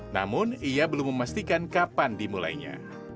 namun ia belum memastikan kapan dimulainya